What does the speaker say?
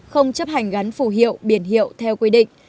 không chấp hành gắn phù hiệu biển hiệu theo quy định